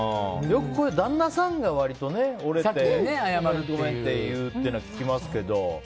旦那さんが割と折れて謝るっていうのは聞きますけど。